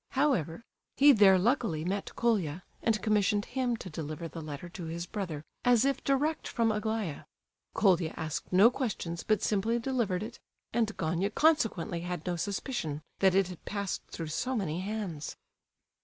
However, he there luckily met Colia, and commissioned him to deliver the letter to his brother as if direct from Aglaya. Colia asked no questions but simply delivered it, and Gania consequently had no suspicion that it had passed through so many hands.